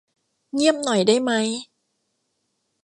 เงียบหน่อยได้มั้ย